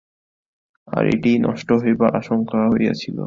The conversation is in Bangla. আর ঐটিই নষ্ট হইবার আশঙ্কা হইয়াছিল।